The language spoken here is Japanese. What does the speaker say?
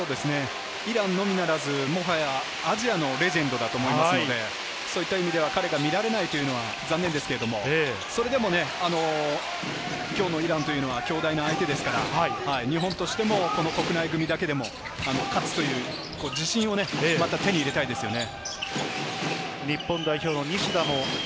イランのみならず、アジアのレジェンドだと思いますので、そういった意味では彼が見られないのは残念ですけど、それでも今日のイランは強大な相手ですから、日本としても国内組だけでも勝つ、そういう自信を手に入れたいですね。